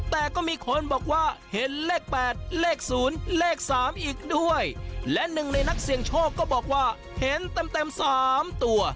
แต่ก็มีคนบอกว่าเห็นเลขแปดเลขศูนย์เลขสามอีกด้วยและหนึ่งในนักเสี่ยงโชคก็บอกว่าเห็นเต็มเต็มสามตัว